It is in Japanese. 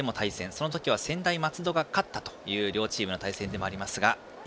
その時は専大松戸が勝ったという両チームの対戦ですがＡ